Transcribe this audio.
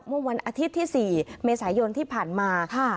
เมื่อวันอาทิตย์ที่๔เมษายนที่ผ่านมา